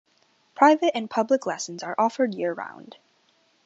Private and public lessons are offered year round.